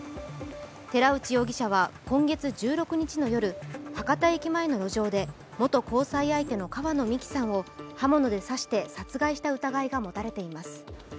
寺内容疑者は今月１６日の夜、博多駅前の路上で元交際相手の川野美樹さんを刃物で刺して殺害した疑いがもたれています。